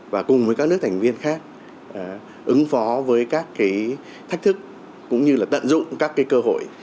và cùng với các nước thành viên khác ứng phó với các thách thức cũng như là tận dụng các cơ hội